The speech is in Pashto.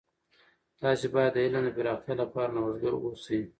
تاسې باید د علم د پراختیا لپاره نوښتګر اوسئ.